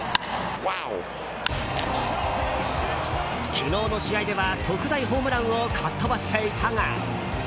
昨日の試合では特大ホームランをかっ飛ばしていたが。